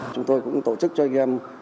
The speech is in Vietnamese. chúng tôi cũng tổ chức cho anh em